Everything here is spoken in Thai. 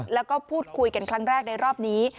แล้วก็พูดคุยกันครั้งแรกในรอบนี้